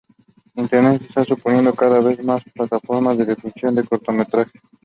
Internet está suponiendo cada vez más una plataforma de difusión del cortometraje.